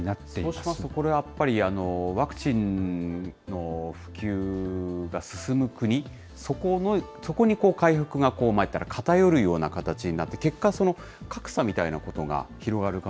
そうしますとこれ、やっぱり、ワクチンの普及が進む国、そこに回復が、言ったら偏るような形になって、結果、格差みたいなことが広がる